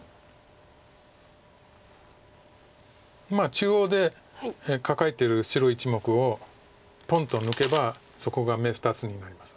まあ中央でカカえてる白１目をポンと抜けばそこが眼２つになります。